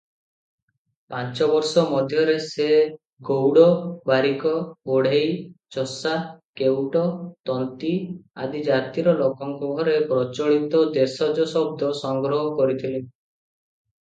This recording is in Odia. ପାଞ୍ଚ ବର୍ଷ ମଧ୍ୟରେ ସେ ଗଉଡ଼, ବାରିକ, ବଢ଼େଇ, ଚଷା, କେଉଟ, ତନ୍ତୀ ଆଦି ଜାତିର ଲୋକଙ୍କ ଘରେ ପ୍ରଚଳିତ ଦେଶଜ ଶବ୍ଦ ସଂଗ୍ରହ କରିଥିଲେ ।